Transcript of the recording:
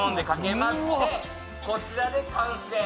こちらで完成。